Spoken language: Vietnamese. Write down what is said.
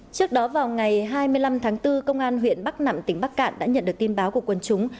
trước đó vào ngày hai mươi năm tháng bốn công an huyện bắc nẵm tỉnh bắc cạn đã nhận được tin báo của quân chúng